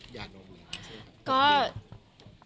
วินียังเห็นว่าน้องหย่านมอะไรคะ